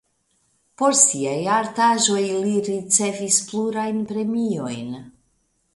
Por siaj artaĵoj li ricevis plurajn premiojn.